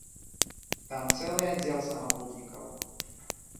Там цэлы аддзел самагубнікаў.